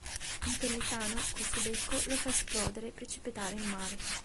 Un pellicano, col suo becco, lo fa esplodere e precipitare in mare.